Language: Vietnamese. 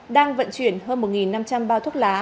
đang vận chuyển hơn một năm trăm linh bao thuốc lá